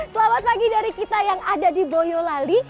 selamat pagi dari kita yang ada di boyolali